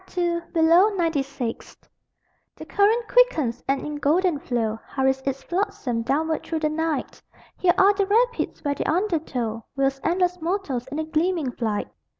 THE RIVER OF LIGHT II. Below 96th The current quickens, and in golden flow Hurries its flotsam downward through the night Here are the rapids where the undertow Whirls endless motors in a gleaming flight.